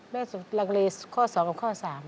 แม่จะลักเลข้อ๒กับข้อ๓